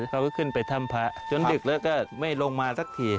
เขาก็ขึ้นไปถ้ำพระจนดึกแล้วก็ไม่ลงมาสักที